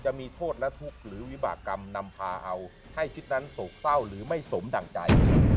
จะมีโทษและทุกข์หรือวิบากรรมนำพาเอาให้คิดนั้นโศกเศร้าหรือไม่สมดั่งใจ